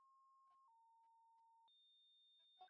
thelathini na tano